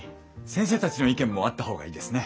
先生たちの意見もあった方がいいですね。